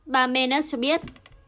bà manners cho biết